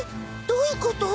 どういうこと？